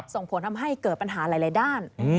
ส่งผลทำให้เกิดปัญหาหลายด้าน